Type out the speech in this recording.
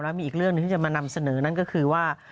มีอีกเรื่องหนึ่งที่จะมานำเสนอนั่นก็คือว่า